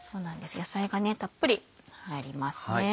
野菜がたっぷり入りますね。